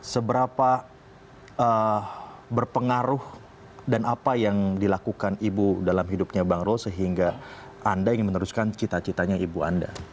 seberapa berpengaruh dan apa yang dilakukan ibu dalam hidupnya bang ro sehingga anda ingin meneruskan cita citanya ibu anda